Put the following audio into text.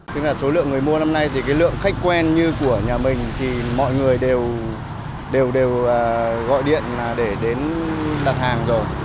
tức là số lượng người mua năm nay thì cái lượng khách quen như của nhà mình thì mọi người đều gọi điện là để đến đặt hàng rồi